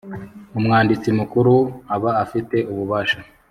Umwanditsi mukuru aba afite ububasha